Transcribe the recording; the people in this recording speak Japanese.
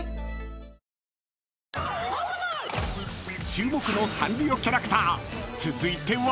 ［注目のサンリオキャラクター続いては］